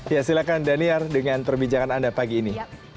yes silahkan danier dengan perbincangan anda pagi ini